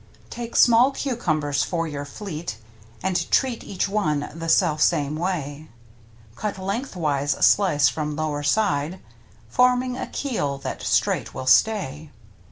Take small cucumbers for your fleet. And treat each one the self same way. Cut lengthwise slice from lower side. Forming a keel that straight will stay.